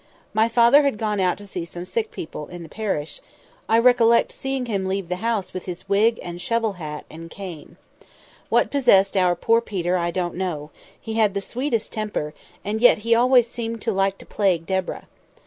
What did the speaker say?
My father had gone out to see some sick people in the parish; I recollect seeing him leave the house with his wig and shovel hat and cane. What possessed our poor Peter I don't know; he had the sweetest temper, and yet he always seemed to like to plague Deborah.